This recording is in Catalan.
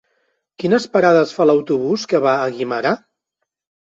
Quines parades fa l'autobús que va a Guimerà?